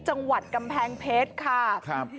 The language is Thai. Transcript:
จังหวัดกำแพงเพชร